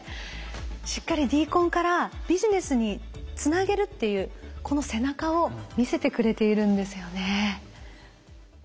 しっかりＤＣＯＮからビジネスにつなげるっていうこの背中を見せてくれているんですよね。